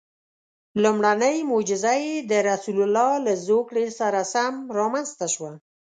لومړنۍ معجزه یې د رسول الله له زوکړې سره سم رامنځته شوه.